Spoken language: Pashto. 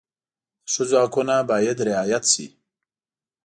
د ښځو حقونه باید رعایت شي.